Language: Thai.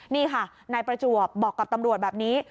นี่ค่ะนายประจวบบอกกับตำรวจแบบนี้